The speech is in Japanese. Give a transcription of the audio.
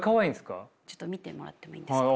ちょっと見てもらってもいいですか。